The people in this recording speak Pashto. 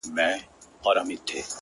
سوچه کاپیر وم چي راتلم تر میخانې پوري”